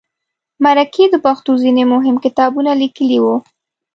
مرکې د پښتو ځینې مهم کتابونه لیکلي وو.